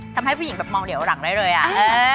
ทำให้ผู้หญิงแบบมองเดี๋ยวหลังได้เลยอ่ะ